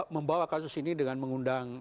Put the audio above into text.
membawa kasus ini dengan mengundang